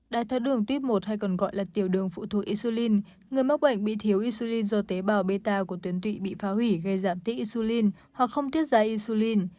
đai tháo đường type một hay còn gọi là tiểu đường phụ thuộc isulin người mắc bệnh bị thiếu isulin do tế bào beta của tuyến tụy bị phá hủy gây giảm tích isulin hoặc không tiết giá isulin